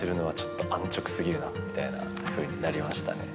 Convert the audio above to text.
みたいなふうになりましたね。